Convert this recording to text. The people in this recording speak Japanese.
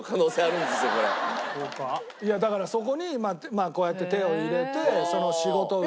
いやだからそこにこうやって手を入れて仕事運と金運。